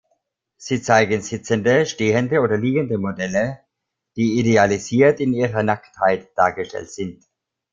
Sie zeigen sitzende, stehende oder liegende Modelle, die idealisiert in ihrer Nacktheit dargestellt sind.